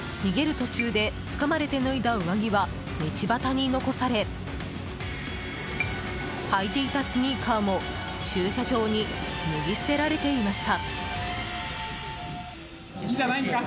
途中でつかまれて脱いだ上着は道端に残され履いていたスニーカーも駐車場に脱ぎ捨てられていました。